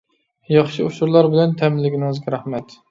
ياخشى ئۇچۇرلار بىلەن تەمىنلىگىنىڭىزگە رەھمەت.